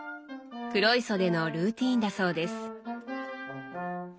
黒磯でのルーティーンだそうです。